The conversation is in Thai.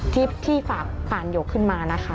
ที่พี่ฝากผ่านหยกขึ้นมานะคะ